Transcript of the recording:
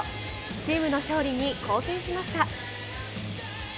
チームの勝利に貢献しました。